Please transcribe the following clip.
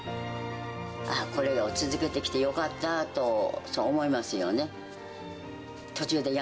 ああ、これを続けてきてよかったと、そう思いますよね。